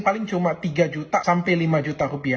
paling cuma tiga juta sampai lima juta rupiah